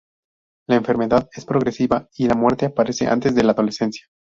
La enfermedad es progresiva y la muerte aparece antes de la adolescencia.